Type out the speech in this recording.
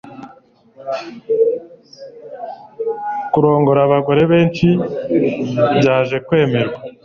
kurongora abagore benshi byaje kwemerwa